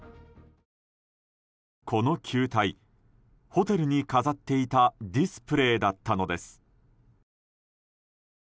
この球体、ホテルに飾っていたディスプレーだったのです。